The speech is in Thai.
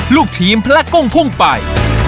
ลูกทีมพระกุ้งพุ่งไป